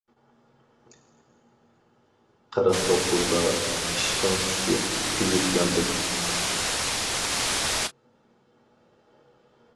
قىرىق توققۇزدا ئىشقىڭ چۈشتى، كۆيۈپ ياندىم.